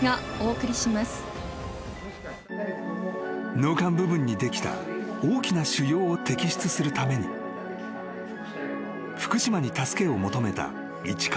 ［脳幹部分にできた大きな腫瘍を摘出するために福島に助けを求めた市川さん］